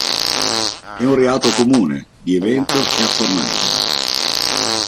È un reato comune, di evento e a forma libera.